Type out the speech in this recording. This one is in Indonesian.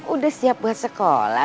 udah siap buat sekolah